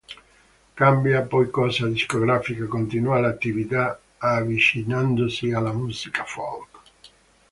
Cambia poi casa discografica e continua l'attività, avvicinandosi alla musica folk.